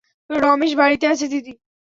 রমেশ বাড়িতে আছে, দিদি।